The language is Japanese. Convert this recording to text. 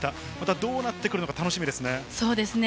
どうなってくるのか楽しみですね。